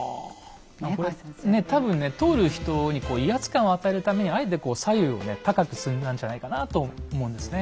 これ多分ね通る人にこう威圧感を与えるためにあえてこう左右をね高く積んだんじゃないかなと思うんですね。